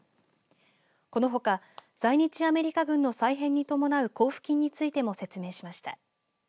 このほか在日アメリカ軍の再編に伴う交付金についても説明しました。